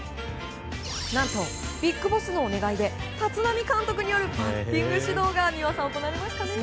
何とビッグボスのお願いで立浪監督によるバッティング指導が行われました。